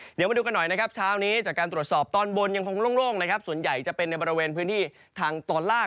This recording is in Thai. เดี๋ยวมาดูกันหน่อยนะครับเช้านี้จากการตรวจสอบตอนบนยังคงโล่งนะครับส่วนใหญ่จะเป็นในบริเวณพื้นที่ทางตอนล่าง